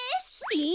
え！